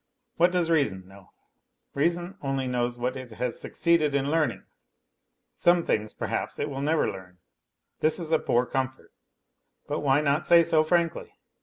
What does reason know ? Reason only knows what it has succeeded in learning (some things, perhaps, it will never learn; this is a poor comfort, but why not say so frankly?)